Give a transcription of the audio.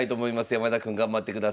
山田君頑張ってください。